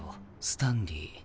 スタンリー。